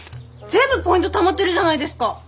全部ポイントたまってるじゃないですか？